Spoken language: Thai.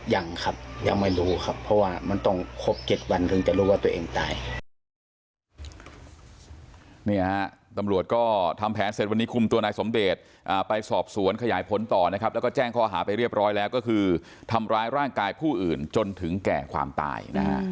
ยังครับยังไม่รู้ครับเพราะว่ามันต้องครบ๗วันถึงจะรู้ว่าตัวเองตายนะฮะ